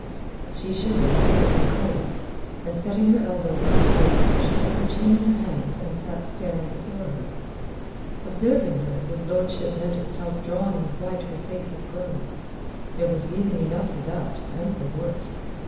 She shivered, as if cold, and setting her elbows on the table, she took her chin in her hands, and sat staring before her. Observing her, his lordship noticed how drawn and white her face had grown. There was reason enough for that, and for worse.